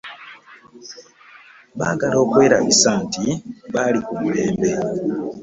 Bagala okwerabisa nti, bali kumulembe.